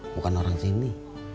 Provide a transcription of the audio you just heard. bukan orang sini